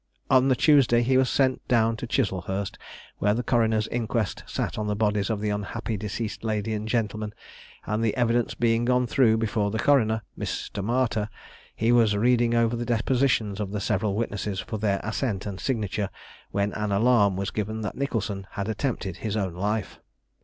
On the Tuesday he was sent down to Chiselhurst, where the coroner's inquest sat on the bodies of the unhappy deceased lady and gentleman, and the evidence being gone through before the coroner, Mr. Martyr, he was reading over the depositions of the several witnesses for their assent and signature, when an alarm was given that Nicholson had attempted his own life.